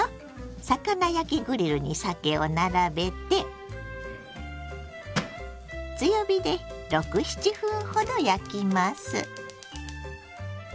魚焼きグリルにさけを並べて強火で６７分ほど焼きます。